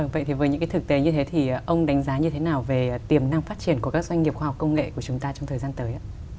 vậy thì với những cái thực tế như thế thì ông đánh giá như thế nào về tiềm năng phát triển của các doanh nghiệp khoa học công nghệ của chúng ta trong thời gian tới ạ